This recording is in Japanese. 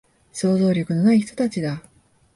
想像力のない人たちだ